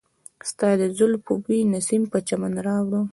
ستا د زلفو بوی نسیم په چمن راوړ.